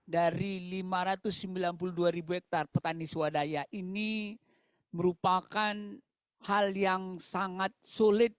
dari lima ratus sembilan puluh dua ribu hektare petani swadaya ini merupakan hal yang sangat sulit